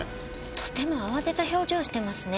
とても慌てた表情をしてますね。